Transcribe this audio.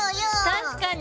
確かに！